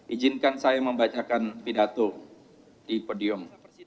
izinkan saya membacakan pidato di podium